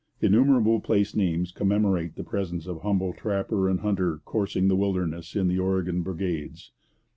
Innumerable place names commemorate the presence of humble trapper and hunter coursing the wilderness in the Oregon brigades.